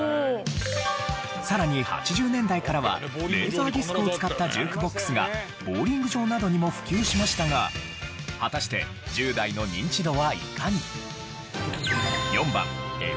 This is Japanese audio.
さらに８０年代からはレーザーディスクを使ったジュークボックスがボウリング場などにも普及しましたが果たしてちっこいやつな！